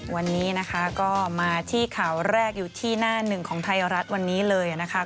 วันนี้นะคะก็มาที่ข่าวแรกอยู่ที่หน้าหนึ่งของไทยรัฐวันนี้เลยนะคะ